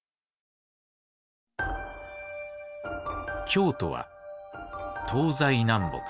京都は東西南北